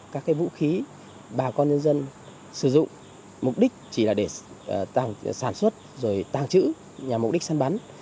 các vũ khí bà con nhân dân sử dụng mục đích chỉ là để sản xuất rồi tàng trữ nhằm mục đích săn bắn